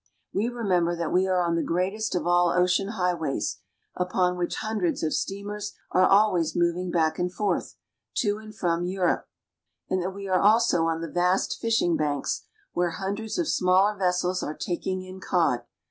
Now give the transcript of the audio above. We remember that we are on the greatest of all ocean highways, upon which hundreds of steamers are always moving back and forth, to and from Europe, and that we are also on the vast fishing banks, where hundreds of smaller vessels are taking in cod.